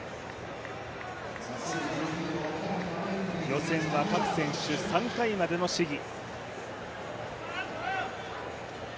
予選は各選手３回までの試技。